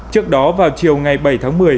trước đó vào chiều ngày bảy tháng một mươi